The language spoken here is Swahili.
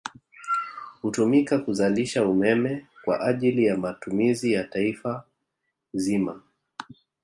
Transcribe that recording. Hutumika kuzalisha umeme kwa ajili ya matumizi ya Taifa zima